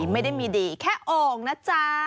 ไม่ได้มีดีแค่โอ่งนะจ๊ะ